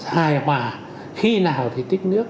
hài hòa khi nào thì tích nước